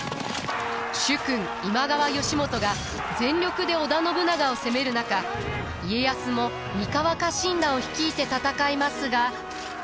主君今川義元が全力で織田信長を攻める中家康も三河家臣団を率いて戦いますが。